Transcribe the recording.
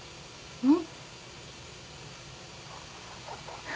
うん。